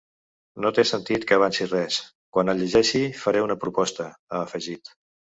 No té sentit que avanci res, quan el llegeixi faré una proposta, ha afegit.